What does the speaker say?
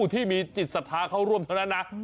ที่มีจิตศรัทธาเข้าร่วมเท่านั้นนะ